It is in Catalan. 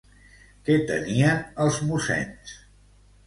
Què tenien els mossens?